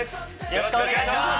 よろしくお願いします！